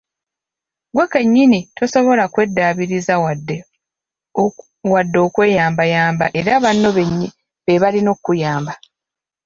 Ggwe kennyini tosobola kweddaabiriza wadde okweyambayamba era banno beebalina okukuyamba.